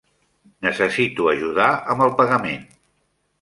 Necessito ajudar amb el pagament.